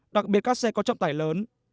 đặc biệt các xe có trọng tải lớn